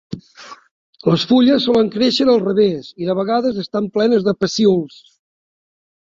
Les fulles solen créixer al revés i de vegades estan plenes de pecíols.